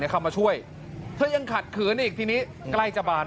เนี่ยเข้ามาช่วยเธอยังขัดเขือนอีกทีนี้ใกล้จับบ้าน